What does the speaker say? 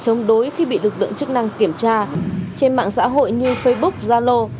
chống đối khi bị lực lượng chức năng kiểm tra trên mạng xã hội như facebook zalo